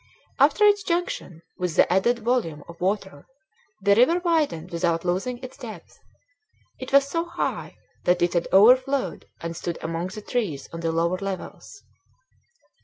After its junction, with the added volume of water, the river widened without losing its depth. It was so high that it had overflowed and stood among the trees on the lower levels.